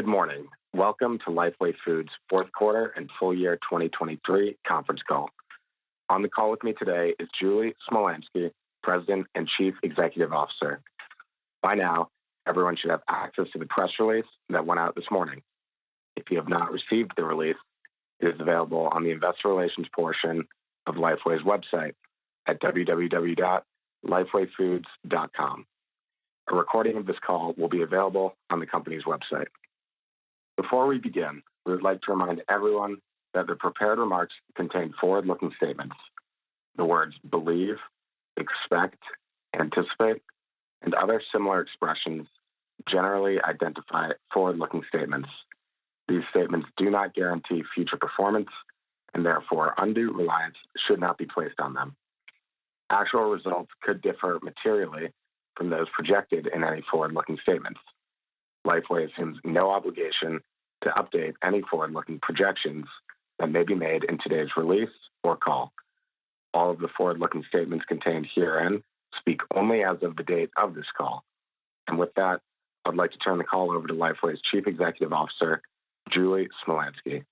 Good morning. Welcome to Lifeway Foods' fourth quarter and full year 2023 conference call. On the call with me today is Julie Smolyansky, President and Chief Executive Officer. By now, everyone should have access to the press release that went out this morning. If you have not received the release, it is available on the Investor Relations portion of Lifeway's website at www.lifewayfoods.com. A recording of this call will be available on the company's website. Before we begin, we would like to remind everyone that the prepared remarks contain forward-looking statements. The words "believe," "expect," "anticipate," and other similar expressions generally identify forward-looking statements. These statements do not guarantee future performance, and therefore undue reliance should not be placed on them. Actual results could differ materially from those projected in any forward-looking statements. Lifeway assumes no obligation to update any forward-looking projections that may be made in today's release or call. All of the forward-looking statements contained herein speak only as of the date of this call. With that, I'd like to turn the call over to Lifeway's Chief Executive Officer, Julie Smolyansky.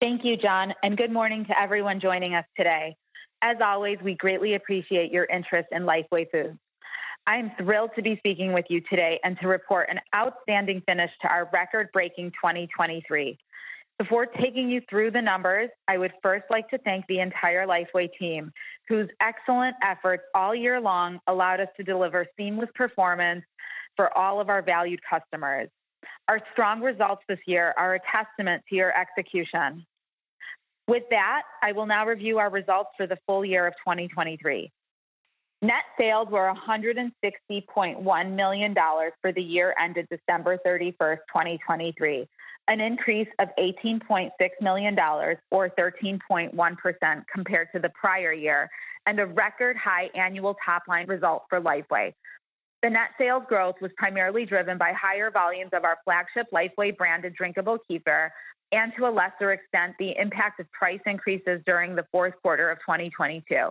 Thank you, John, and good morning to everyone joining us today. As always, we greatly appreciate your interest in Lifeway Foods. I am thrilled to be speaking with you today and to report an outstanding finish to our record-breaking 2023. Before taking you through the numbers, I would first like to thank the entire Lifeway team, whose excellent efforts all year long allowed us to deliver seamless performance for all of our valued customers. Our strong results this year are a testament to your execution. With that, I will now review our results for the full year of 2023. Net sales were $160.1 million for the year ended December 31st, 2023, an increase of $18.6 million or 13.1% compared to the prior year, and a record-high annual top-line result for Lifeway. The net sales growth was primarily driven by higher volumes of our flagship Lifeway-branded drinkable kefir and, to a lesser extent, the impact of price increases during the fourth quarter of 2022.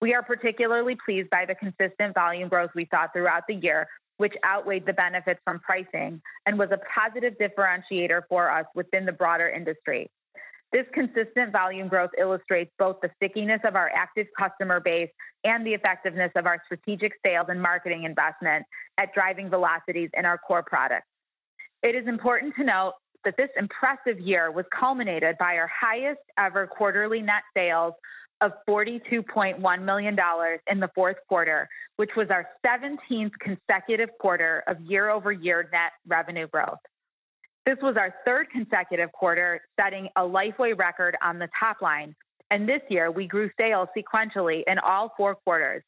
We are particularly pleased by the consistent volume growth we saw throughout the year, which outweighed the benefits from pricing and was a positive differentiator for us within the broader industry. This consistent volume growth illustrates both the stickiness of our active customer base and the effectiveness of our strategic sales and marketing investment at driving velocities in our core products. It is important to note that this impressive year was culminated by our highest-ever quarterly net sales of $42.1 million in the fourth quarter, which was our 17th consecutive quarter of year-over-year net revenue growth. This was our third consecutive quarter setting a Lifeway record on the top line, and this year we grew sales sequentially in all four quarters.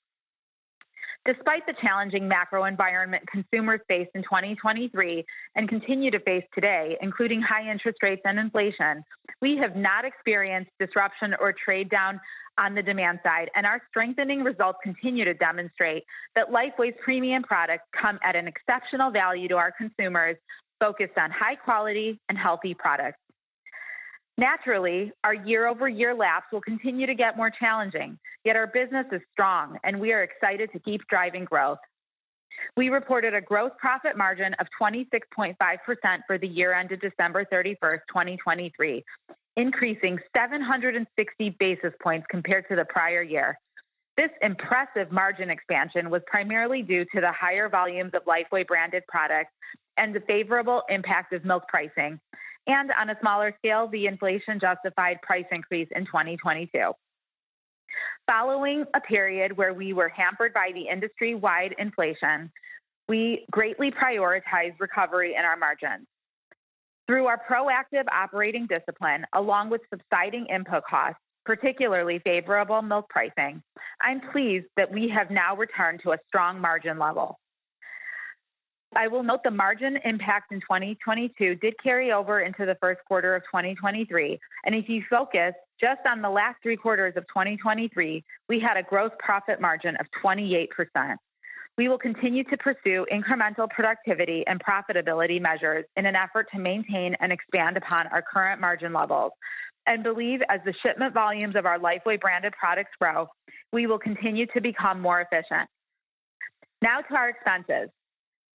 Despite the challenging macro environment consumers faced in 2023 and continue to face today, including high interest rates and inflation, we have not experienced disruption or trade-down on the demand side, and our strengthening results continue to demonstrate that Lifeway's premium products come at an exceptional value to our consumers focused on high-quality and healthy products. Naturally, our year-over-year laps will continue to get more challenging, yet our business is strong, and we are excited to keep driving growth. We reported a gross profit margin of 26.5% for the year ended December 31, 2023, increasing 760 basis points compared to the prior year. This impressive margin expansion was primarily due to the higher volumes of Lifeway-branded products and the favorable impact of milk pricing, and on a smaller scale, the inflation-justified price increase in 2022. Following a period where we were hampered by the industry-wide inflation, we greatly prioritized recovery in our margins. Through our proactive operating discipline, along with subsiding input costs, particularly favorable milk pricing, I'm pleased that we have now returned to a strong margin level. I will note the margin impact in 2022 did carry over into the first quarter of 2023, and if you focus just on the last three quarters of 2023, we had a gross profit margin of 28%. We will continue to pursue incremental productivity and profitability measures in an effort to maintain and expand upon our current margin levels, and believe as the shipment volumes of our Lifeway-branded products grow, we will continue to become more efficient. Now to our expenses.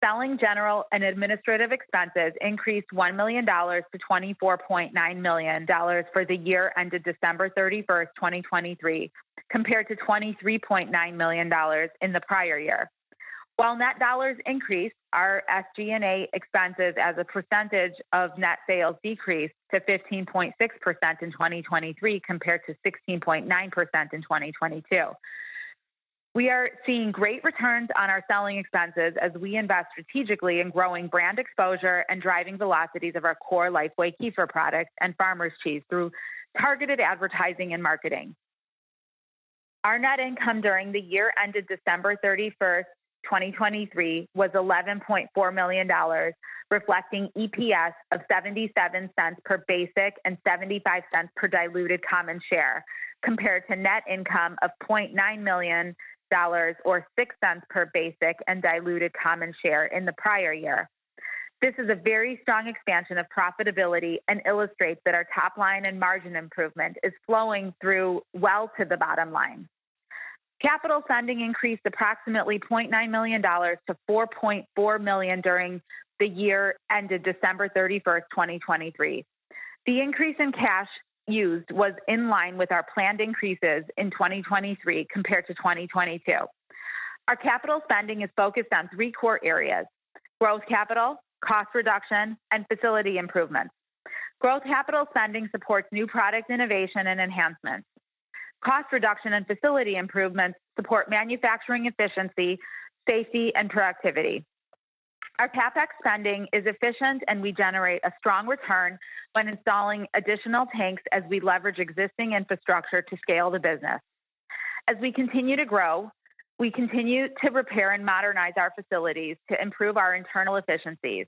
Selling, general, and administrative expenses increased $1 million to $24.9 million for the year ended December 31st, 2023, compared to $23.9 million in the prior year. While net dollars increased, our SG&A expenses as a percentage of net sales decreased to 15.6% in 2023 compared to 16.9% in 2022. We are seeing great returns on our selling expenses as we invest strategically in growing brand exposure and driving velocities of our core Lifeway kefir products and Farmer Cheese through targeted advertising and marketing. Our net income during the year ended December 31, 2023, was $11.4 million, reflecting EPS of $0.77 per basic and $0.75 per diluted common share, compared to net income of $0.9 million or $0.06 per basic and diluted common share in the prior year. This is a very strong expansion of profitability and illustrates that our top line and margin improvement is flowing through well to the bottom line. Capital funding increased approximately $0.9 million to $4.4 million during the year ended December 31st, 2023. The increase in cash used was in line with our planned increases in 2023 compared to 2022. Our capital spending is focused on three core areas: growth capital, cost reduction, and facility improvements. Growth capital spending supports new product innovation and enhancements. Cost reduction and facility improvements support manufacturing efficiency, safety, and productivity. Our CapEx spending is efficient, and we generate a strong return when installing additional tanks as we leverage existing infrastructure to scale the business. As we continue to grow, we continue to repair and modernize our facilities to improve our internal efficiencies.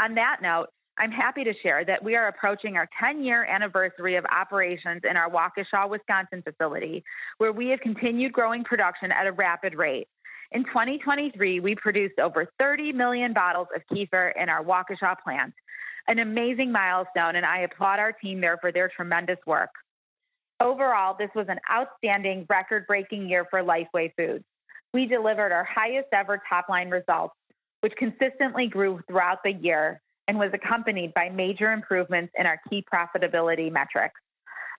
On that note, I'm happy to share that we are approaching our 10-year anniversary of operations in our Waukesha, Wisconsin facility, where we have continued growing production at a rapid rate. In 2023, we produced over 30 million bottles of kefir in our Waukesha plant, an amazing milestone, and I applaud our team there for their tremendous work. Overall, this was an outstanding record-breaking year for Lifeway Foods. We delivered our highest-ever top-line results, which consistently grew throughout the year and was accompanied by major improvements in our key profitability metrics.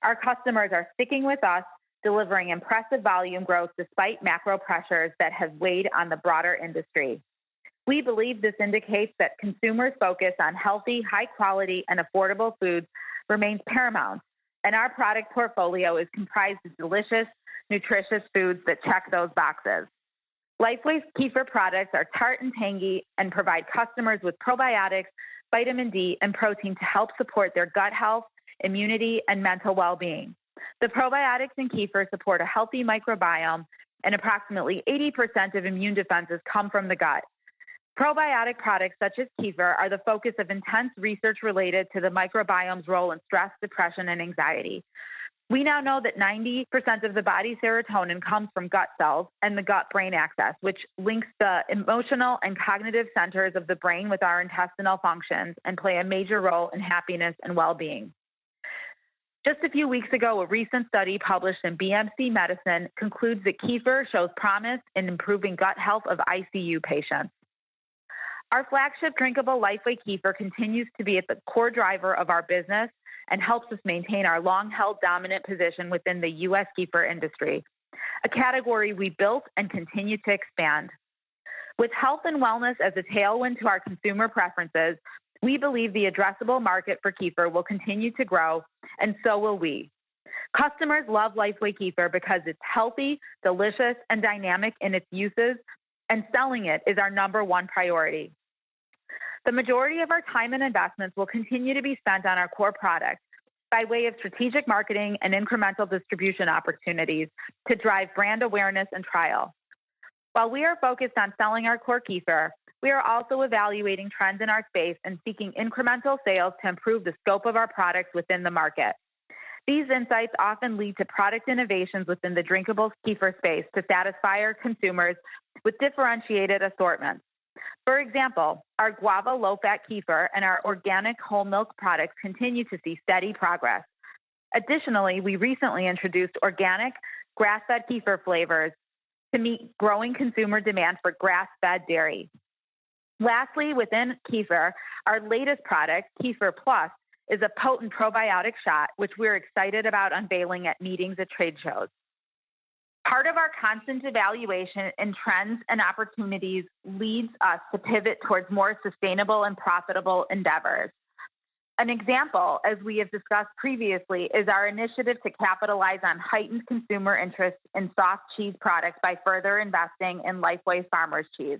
Our customers are sticking with us, delivering impressive volume growth despite macro pressures that have weighed on the broader industry. We believe this indicates that consumer focus on healthy, high-quality, and affordable foods remains paramount, and our product portfolio is comprised of delicious, nutritious foods that check those boxes. Lifeway's kefir products are tart and tangy and provide customers with probiotics, vitamin D, and protein to help support their gut health, immunity, and mental well-being. The probiotics in kefir support a healthy microbiome, and approximately 80% of immune defenses come from the gut. Probiotic products such as kefir are the focus of intense research related to the microbiome's role in stress, depression, and anxiety. We now know that 90% of the body's serotonin comes from gut cells and the gut-brain axis, which links the emotional and cognitive centers of the brain with our intestinal functions and play a major role in happiness and well-being. Just a few weeks ago, a recent study published in BMC Medicine concludes that kefir shows promise in improving gut health of ICU patients. Our flagship drinkable Lifeway Kefir continues to be at the core driver of our business and helps us maintain our long-held dominant position within the U.S. kefir industry, a category we built and continue to expand. With health and wellness as a tailwind to our consumer preferences, we believe the addressable market for kefir will continue to grow, and so will we. Customers love Lifeway Kefir because it's healthy, delicious, and dynamic in its uses, and selling it is our number one priority. The majority of our time and investments will continue to be spent on our core product by way of strategic marketing and incremental distribution opportunities to drive brand awareness and trial. While we are focused on selling our core kefir, we are also evaluating trends in our space and seeking incremental sales to improve the scope of our products within the market. These insights often lead to product innovations within the drinkable kefir space to satisfy our consumers with differentiated assortments. For example, our Guava Low-Fat Kefir and our Organic Whole Milk Kefir products continue to see steady progress. Additionally, we recently introduced Organic Grass-Fed Kefir flavors to meet growing consumer demand for grass-fed dairy. Lastly, within kefir, our latest product, Lifeway Kefir+, is a potent probiotic shot, which we're excited about unveiling at meetings at trade shows. Part of our constant evaluation in trends and opportunities leads us to pivot towards more sustainable and profitable endeavors. An example, as we have discussed previously, is our initiative to capitalize on heightened consumer interest in soft cheese products by further investing in Lifeway Farmer Cheese.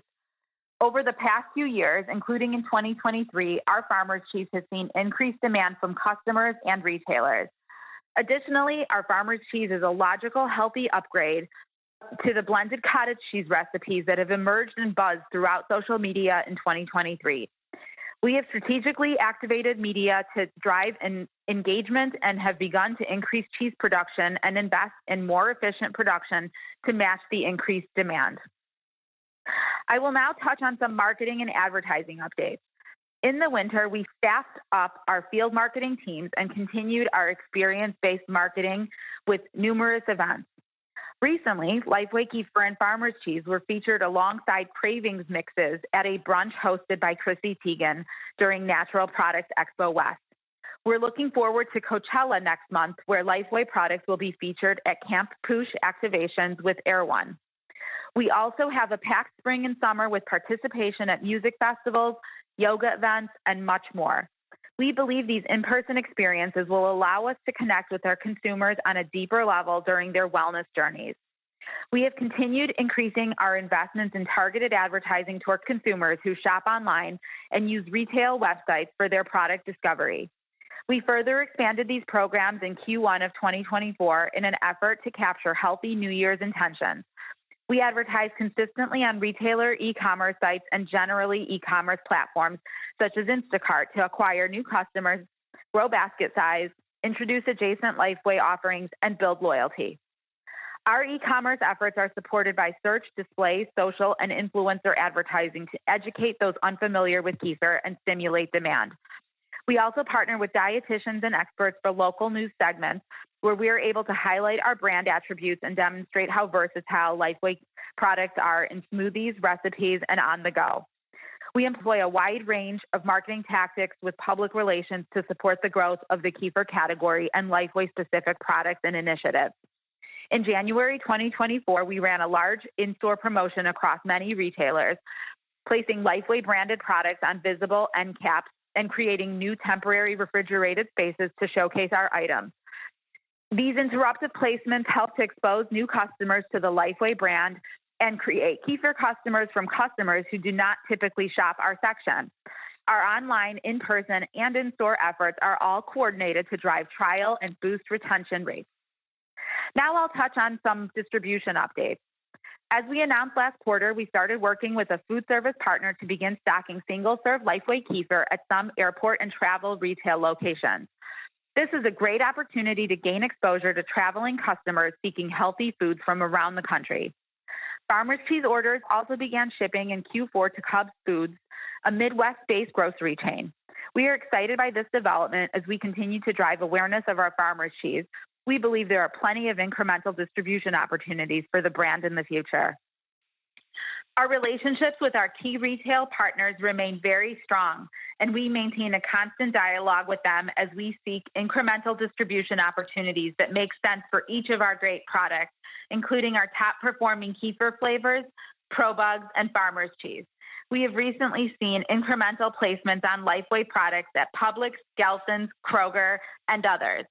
Over the past few years, including in 2023, our Farmer Cheese has seen increased demand from customers and retailers. Additionally, our Farmer Cheese is a logical, healthy upgrade to the blended cottage cheese recipes that have emerged in buzz throughout social media in 2023. We have strategically activated media to drive engagement and have begun to increase cheese production and invest in more efficient production to match the increased demand. I will now touch on some marketing and advertising updates. In the winter, we staffed up our field marketing teams and continued our experience-based marketing with numerous events. Recently, Lifeway Kefir and Lifeway Farmer Cheese were featured alongside Cravings mixes at a brunch hosted by Chrissy Teigen during Natural Products Expo West. We're looking forward to Coachella next month, where Lifeway products will be featured at Camp Poosh activations with Erewhon. We also have a packed spring and summer with participation at music festivals, yoga events, and much more. We believe these in-person experiences will allow us to connect with our consumers on a deeper level during their wellness journeys. We have continued increasing our investments in targeted advertising to consumers who shop online and use retail websites for their product discovery. We further expanded these programs in Q1 of 2024 in an effort to capture healthy New Year's intentions. We advertise consistently on retailer e-commerce sites and general e-commerce platforms such as Instacart to acquire new customers, grow basket size, introduce adjacent Lifeway offerings, and build loyalty. Our e-commerce efforts are supported by search, display, social, and influencer advertising to educate those unfamiliar with kefir and stimulate demand. We also partner with dietitians and experts for local news segments, where we are able to highlight our brand attributes and demonstrate how versatile Lifeway products are in smoothies, recipes, and on the go. We employ a wide range of marketing tactics with public relations to support the growth of the kefir category and Lifeway-specific products and initiatives. In January 2024, we ran a large in-store promotion across many retailers, placing Lifeway-branded products on visible end caps and creating new temporary refrigerated spaces to showcase our items. These interruptive placements helped to expose new customers to the Lifeway brand and create kefir customers from customers who do not typically shop our section. Our online, in-person, and in-store efforts are all coordinated to drive trial and boost retention rates. Now I'll touch on some distribution updates. As we announced last quarter, we started working with a food service partner to begin stocking single-serve Lifeway Kefir at some airport and travel retail locations. This is a great opportunity to gain exposure to traveling customers seeking healthy foods from around the country. Farmer cheese orders also began shipping in Q4 to Cub Foods, a Midwest-based grocery chain. We are excited by this development as we continue to drive awareness of our Farmer cheese. We believe there are plenty of incremental distribution opportunities for the brand in the future. Our relationships with our key retail partners remain very strong, and we maintain a constant dialogue with them as we seek incremental distribution opportunities that make sense for each of our great products, including our top-performing Kefir flavors, ProBugs, and Farmer cheese. We have recently seen incremental placements on Lifeway products at Publix, Gelson's, Kroger, and others.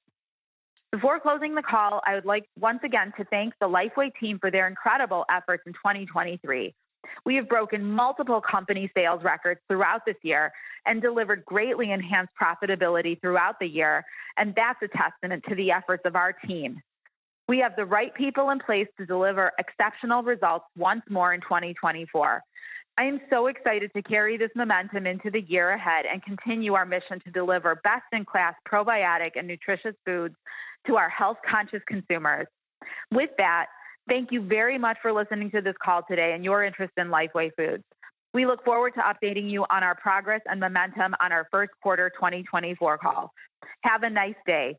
Before closing the call, I would like once again to thank the Lifeway team for their incredible efforts in 2023. We have broken multiple company sales records throughout this year and delivered greatly enhanced profitability throughout the year, and that's a testament to the efforts of our team. We have the right people in place to deliver exceptional results once more in 2024. I am so excited to carry this momentum into the year ahead and continue our mission to deliver best-in-class probiotic and nutritious foods to our health-conscious consumers. With that, thank you very much for listening to this call today and your interest in Lifeway Foods. We look forward to updating you on our progress and momentum on our first quarter 2024 call. Have a nice day.